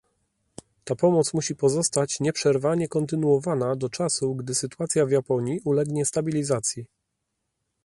Ta pomoc musi pozostać nieprzerwanie kontynuowana do czasu, gdy sytuacja w Japonii ulegnie stabilizacji